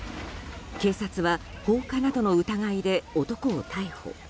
警察は放火などの疑いで男を逮捕。